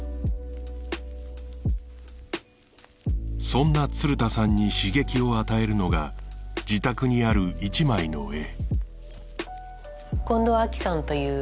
そんな鶴田さんに刺激を与えるのが自宅にある１枚の絵